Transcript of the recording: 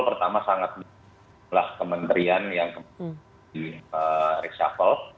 pertama sangat kementerian yang di reshuffle